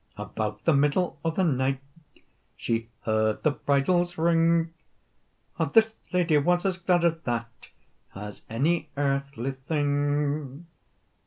About the middle o' the night She heard the bridles ring; This lady was as glad at that As any earthly thing.